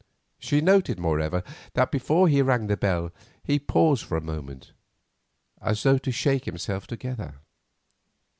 She noted, moreover, that before he rang the bell he paused for a moment as though to shake himself together.